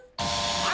あ！